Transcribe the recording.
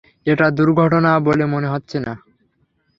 এটা দুর্ঘটনা বলে মনে হচ্ছে না।